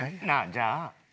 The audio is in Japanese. じゃあ